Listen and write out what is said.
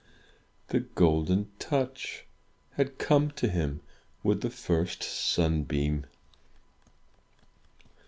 The Golden Touch had come to him with the first sunbeam!